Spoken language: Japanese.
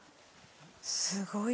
すごい。